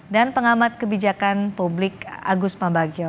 dan pengamat kebijakan publik agus mabagio